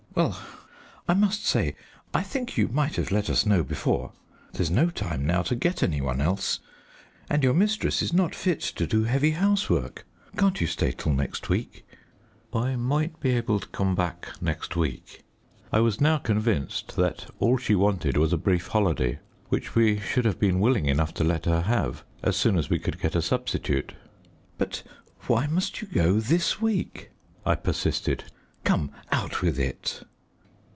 "Well, I must say, I think you might have let us know before. There's no time now to get any one else, and your mistress is not fit to do heavy housework. Can't you stay till next week?" "I might be able to come back next week." I was now convinced that all she wanted was a brief holiday, which we should have been willing enough to let her have, as soon as we could get a substitute. "But why must you go this week?" I persisted. "Come, out with it."